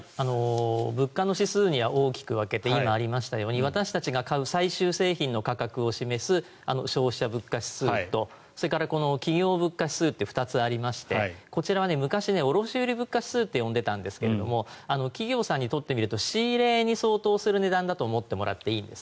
物価の指数には大きく分けて今ありましたように私たちが買う最終製品の価格を示す消費者物価指数とそれから企業物価指数って２つありましてこちらは昔、卸売物価指数って呼んでいたんですけど企業さんにとってみると仕入れに相当する値段だと思ってもらっていいです。